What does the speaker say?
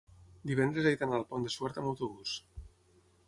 divendres he d'anar al Pont de Suert amb autobús.